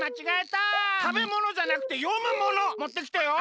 たべものじゃなくてよむものもってきてよ。